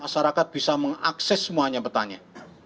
masyarakat bisa mengakses semuanya petanya